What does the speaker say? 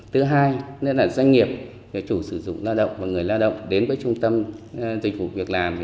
thứ hai nữa là doanh nghiệp chủ sử dụng lao động và người lao động đến với trung tâm dịch vụ việc làm